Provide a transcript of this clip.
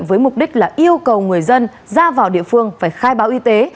với mục đích là yêu cầu người dân ra vào địa phương phải khai báo y tế